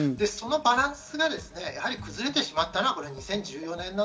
そのバランスがやはり崩れてしまったのは２０１４年。